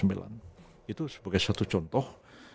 itu sebagai satu contoh